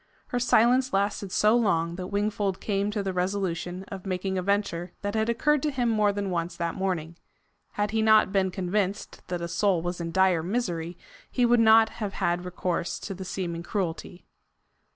Her silence lasted so long that Wingfold came to the resolution of making a venture that had occurred to him more than once that morning. Had he not been convinced that a soul was in dire misery, he would not have had recourse to the seeming cruelty.